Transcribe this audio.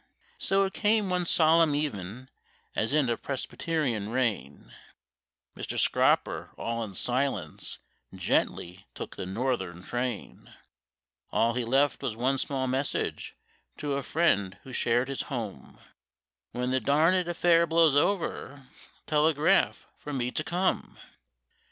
So it came one solemn evenin' in a Presbyterian rain Mr. Scroper all in silence gently took the Northern train; All he left was one small message to a friend who shared his home,— When the darned affair blows over, telegraph for me to come.